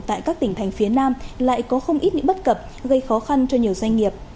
tại các tỉnh thành phía nam lại có không ít những bất cập gây khó khăn cho nhiều doanh nghiệp